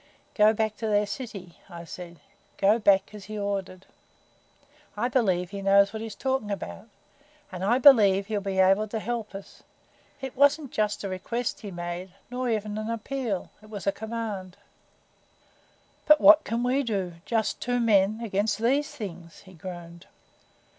"Go back to their city," I said. "Go back as he ordered. I believe he knows what he's talking about. And I believe he'll be able to help us. It wasn't just a request he made, nor even an appeal it was a command." "But what can we do just two men against these Things?" he groaned.